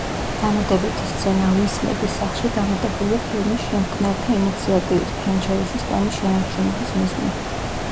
დამატებითი სცენა უისლების სახლში დამატებულია ფილმის შემქმნელთა ინიციატივით, ფრენჩაიზის ტონის შენარჩუნების მიზნით.